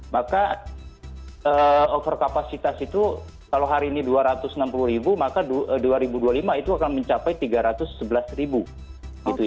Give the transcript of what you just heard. maka over kapasitas itu kalau hari ini dua ratus enam puluh ribu maka dua ribu dua puluh lima itu akan mencapai tiga ratus sebelas ribu